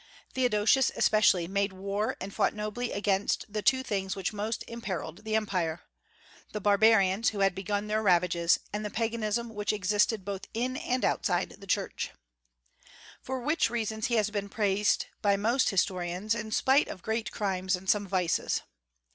Theodosius, especially, made war and fought nobly against the two things which most imperilled the Empire, the barbarians who had begun their ravages, and the Paganism which existed both in and outside the Church. For which reasons he has been praised by most historians, in spite of great crimes and some vices.